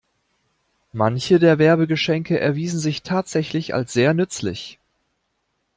Manche der Werbegeschenke erwiesen sich tatsächlich als sehr nützlich.